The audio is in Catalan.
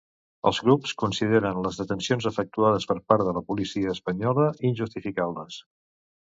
Els grups consideren les detencions, efectuades per part de la policia espanyola, "injustificades".